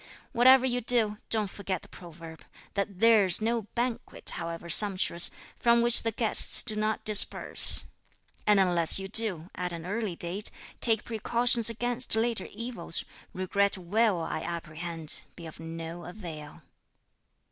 Whatever you do, don't forget the proverb, that 'there's no banquet, however sumptuous, from which the guests do not disperse;' and unless you do, at an early date, take precautions against later evils, regret will, I apprehend, be of no avail."